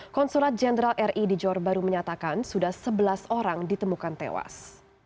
konsulat jenderal ri di johor baru menyatakan sudah sebelas orang ditemukan tewas